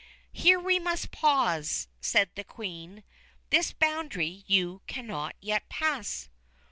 "Here we must pause," said the Queen. "This boundary you cannot yet pass."